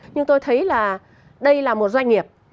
nhưng tôi thấy là đây là một doanh nghiệp